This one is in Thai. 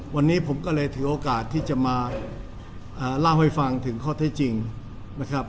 วันนี้ผมก็เลยถือโอกาสที่จะมาเล่าให้ฟังถึงข้อเท็จจริงนะครับ